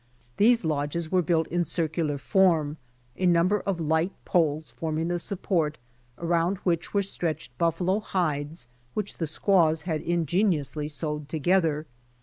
These lodges were built in circular form, a number of light poles form ing the support, around which were stretched buf falo hides which the squaws had ingeniously sewed together.